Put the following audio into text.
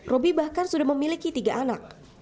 roby bahkan sudah memiliki tiga anak